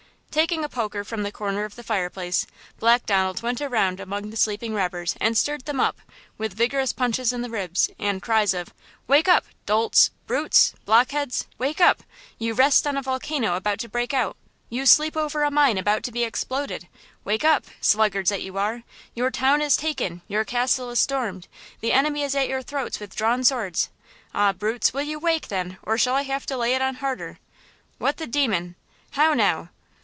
Taking a poker from the corner of the fireplace, Black Donald, went around among the sleeping robbers and stirred them up, with vigorous punches in the ribs and cries of: "Wake up!–dolts! brutes! blockheads! Wake up! You rest on a volcano about to break out! You sleep over a mine about to be exploded! Wake up!–sluggards that you are! Your town is taken! Your castle is stormed! The enemy is at your throats with drawn swords! Ah, brutes, will you wake, then, or shall I have to lay it on harder?" "What the demon?" "How now?"